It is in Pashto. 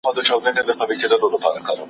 که چاپیریال پاک وي نو فکر نه ګډوډیږي.